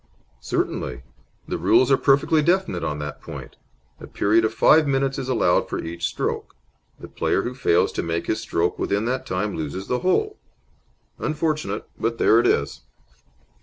"Certainly. The rules are perfectly definite on that point. A period of five minutes is allowed for each stroke. The player who fails to make his stroke within that time loses the hole. Unfortunate, but there it is!"